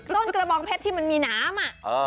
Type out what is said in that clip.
กระบองเพชรที่มันมีน้ำ